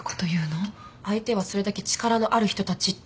相手はそれだけ力のある人たちってことです。